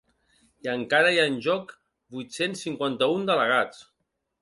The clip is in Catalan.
I encara hi ha en joc vuit-cents cinquanta-un delegats.